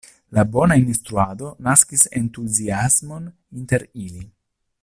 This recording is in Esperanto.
La bona instruado naskis entuziasmon inter ili.